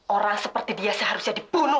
orang seperti dia seharusnya dibunuh